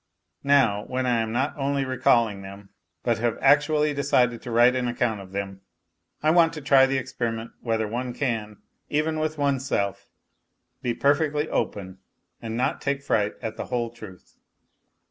Now, when I am not only recalling them, but have actually decided to write an account of them, I want to try the experiment whether one can, even with oneself, be perfectly open and not take fright at the whole truth.